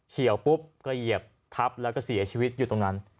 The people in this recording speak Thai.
ปุ๊บก็เหยียบทับแล้วก็เสียชีวิตอยู่ตรงนั้น